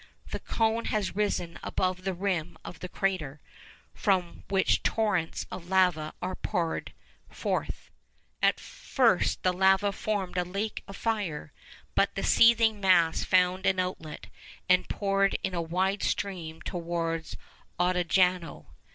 The cone has risen above the rim of the crater, from which torrents of lava are poured forth. At first the lava formed a lake of fire, but the seething mass found an outlet, and poured in a wide stream towards Ottajano.